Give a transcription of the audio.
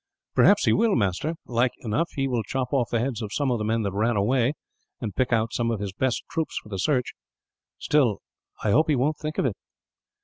"Perhaps he will, master. Like enough, he will chop off the heads of some of the men that ran away, and pick out some of his best troops for the search. Still, I hope he won't think of it."